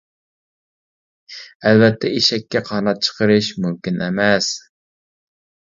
ئەلۋەتتە ئېشەككە قانات چىقىرىش مۇمكىن ئەمەس.